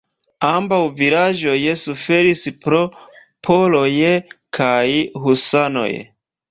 Ambaŭ vilaĝoj suferis pro poloj kaj husanoj.